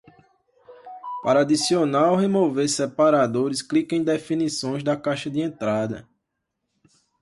Para adicionar ou remover separadores, clique em definições da caixa de entrada.